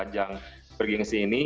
yang bergengsi ini